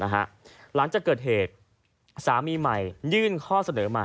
หลังจากเกิดเหตุสามีใหม่ยื่นข้อเสนอมา